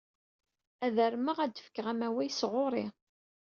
Ad armeɣ ad d-fkeɣ amaway sɣur-i.